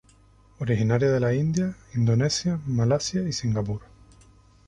Originaria de la India, Indonesia, Malasia y Singapur.